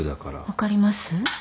分かります？